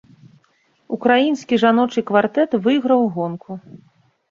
Украінскі жаночы квартэт выйграў гонку.